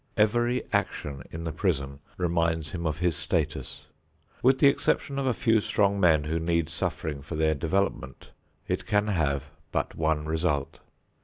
Every action in the prison reminds him of his status. With the exception of a few strong men who need suffering for their development it can have but one result.